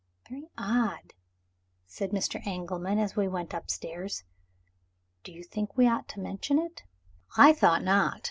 "Very odd!" said Mr. Engelman, as we went upstairs. "Do you think we ought to mention it?" I thought not.